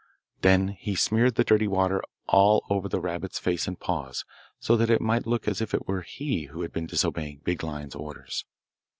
Then he smeared the dirty water all over the rabbit's face and paws, so that it might look as if it were he who had been disobeying Big Lion's orders.